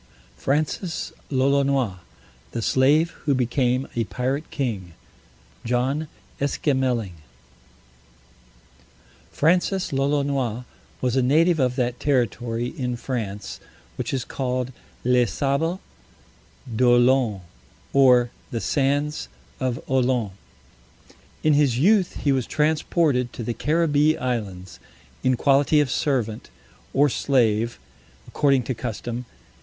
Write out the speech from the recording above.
FRANCIS LOLONOIS THE SLAVE WHO BECAME A PIRATE KING JOHN ESQUEMELING Francis Lolonois was a native of that territory in France which is called Les Sables d'Olone, or The Sands of Olone. In his youth he was transported to the Caribbee islands, in quality of servant, or slave, according to custom.